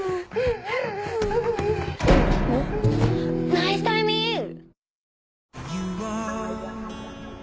ナイスタイミング！